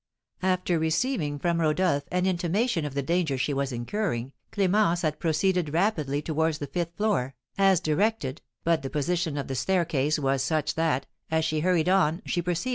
After receiving from Rodolph an intimation of the danger she was incurring, Clémence had proceeded rapidly towards the fifth floor, as directed, but the position of the staircase was such that, as she hurried on, she perceived M.